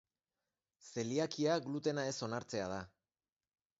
Zeliakia glutena ez onartzea da.